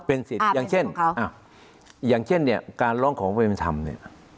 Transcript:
เป็นสิทธิ์อย่างเช่นอย่างเช่นเนี่ยการร้องขอความเป็นธรรมเนี่ย